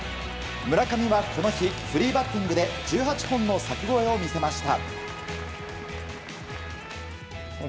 村上は、この日フリーバッティングで１８本の柵越えを見せました。